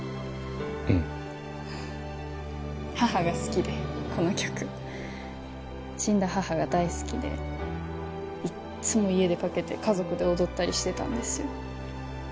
うん母が好きでこの曲死んだ母が大好きでいっつも家でかけて家族で踊ったりしてたんですよ